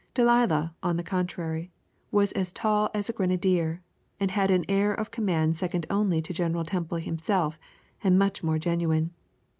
Delilah, on the contrary, was as tall as a grenadier, and had an air of command second only to General Temple himself and much more genuine.